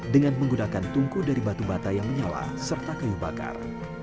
dengan menggunakan tungku dari batu bata yang menyala serta kayu bakar